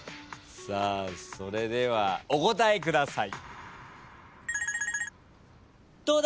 さあそれではお答えください！